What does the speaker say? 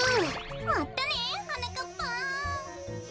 まったねはなかっぱん！